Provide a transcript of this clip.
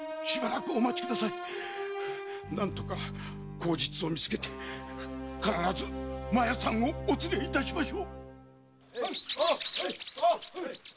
何とか口実を見つけて必ず麻耶さんをお連れしましょう！